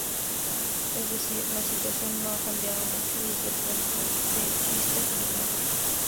Es decir: la situación no ha cambiado mucho desde el punto de vista culinario.